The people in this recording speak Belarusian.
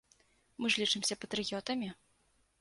Мы ж лічымся патрыётамі.